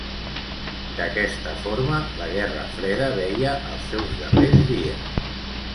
D'aquesta forma, la Guerra Freda veia els seus darrers dies.